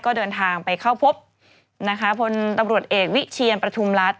ก็เดินทางไปเข้าพบนะคะพลตำรวจเอกวิเชียนประทุมรัฐ